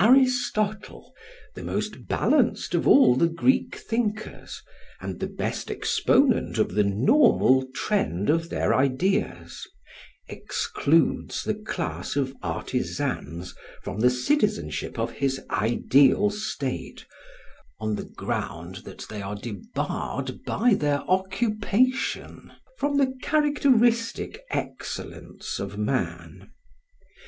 Aristotle, the most balanced of all the Greek thinkers and the best exponent of the normal trend of their ideas, excludes the class of artisans from the citizenship of his ideal state on the ground that they are debarred by their occupation from the characteristic excellence of man.